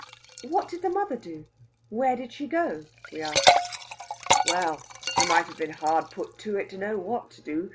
"What did the mother do? Where did she go?" we asked. "Well, she might have been hard put to it to know what to do.